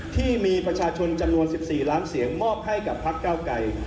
ที่มีประชาชนจำนวน๑๔ล้านเสียงมอบให้กับพักเก้าไกร